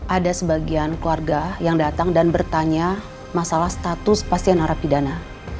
ada sebagian keluarga yang datang dan bertanya masalah status pasien narapidana